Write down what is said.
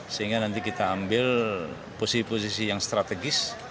sehingga nanti kita ambil posisi posisi yang strategis